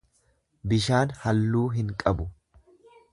Bishaan halluu hin qabu.